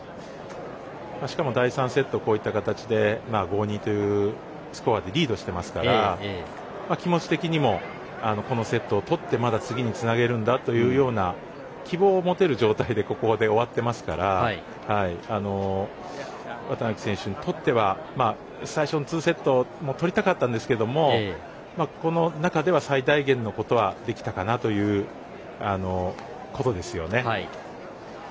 しかも、第３セットこういった形で５−２というスコアでリードしてますから気持ち的にもこのセットを取ってまだ次につなげるんだというような希望を持てる状態で、ここで終わってますから綿貫選手にとっては最初の２セットも取りたかったんですけどこの中では最大限のことはできたかなということですよね。